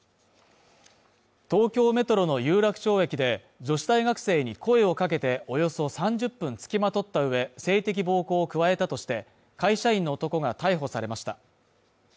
東京メトロの有楽町駅で、女子大学生に声をかけて、およそ３０分つきまとった上、性的暴行を加えたとして、会社員の男が逮捕されました。